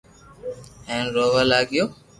ھين رووا لاگيو